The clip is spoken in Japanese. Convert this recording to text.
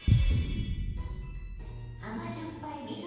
甘じょっぱいみそ